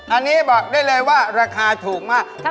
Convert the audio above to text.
อันนี้บอกได้เลยว่าราคาถูกมาก